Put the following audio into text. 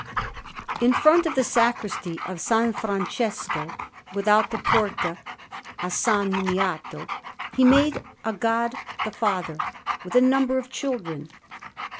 In front of the Sacristy of S. Francesco, without the Porta a S. Miniato, he made a God the Father, with a number of children.